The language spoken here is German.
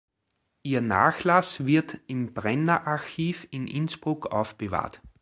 Ihr Nachlass wird im Brenner-Archiv in Innsbruck aufbewahrt.